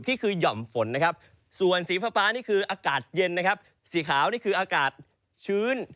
หย่อมฝนนะครับส่วนสีฟ้านี่คืออากาศเย็นนะครับสีขาวนี่คืออากาศชื้น